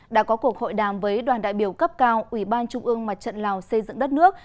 đã có cuộc hội đàm với đoàn đại biểu cấp cao ủy ban trung ương mặt trận lào xây dựng đất nước